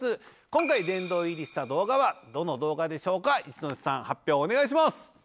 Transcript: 今回殿堂入りした動画はどの動画でしょうか一ノ瀬さん発表をお願いします